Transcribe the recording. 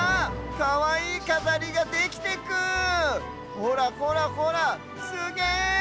ほらほらほらすげえ！